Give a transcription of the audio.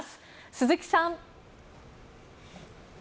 鈴木さん。